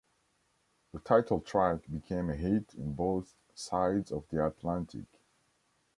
The title track became a hit in both sides of the Atlantic.